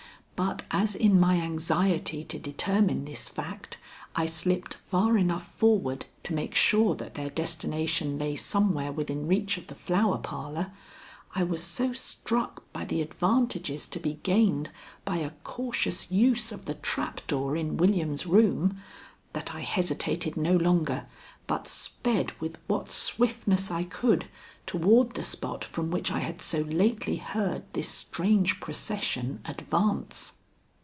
But as in my anxiety to determine this fact I slipped far enough forward to make sure that their destination lay somewhere within reach of the Flower Parlor, I was so struck by the advantages to be gained by a cautious use of the trap door in William's room, that I hesitated no longer, but sped with what swiftness I could toward the spot from which I had so lately heard this strange procession advance.